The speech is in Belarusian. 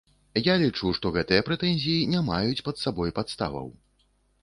Я лічу, што гэтыя прэтэнзіі не маюць пад сабой падставаў.